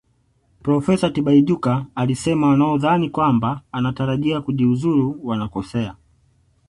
Profesa Tibaijuka alisema wanaodhani kwamba anatarajia kujiuzulu wanakosea